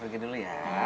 bu pergi dulu ya